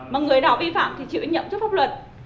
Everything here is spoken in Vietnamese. mà người nào vi phạm thì chịu nhậm trước pháp luật